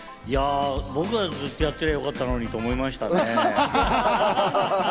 僕がずっとやってればよかったのにと思いましたね。